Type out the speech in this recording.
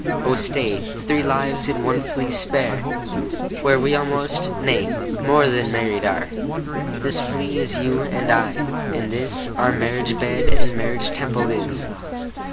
O stay, three lives in one flea spare, Where we almost, yea, more than married are. This flea is you and I, and this Our marriage bed, and marriage temple is.